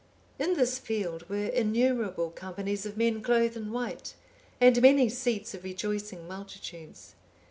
In this field were innumerable companies of men clothed in white, and many seats of rejoicing multitudes.